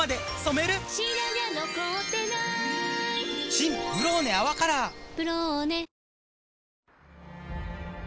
新「ブローネ泡カラー」「ブローネ」